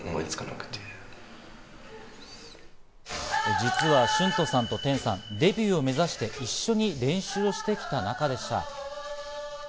実はシュントさんとテンさん、デビューを目指して一緒に練習をしてきた仲でした。